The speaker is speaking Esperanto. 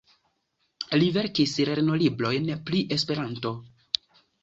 Li verkis lernolibrojn pri Esperanto.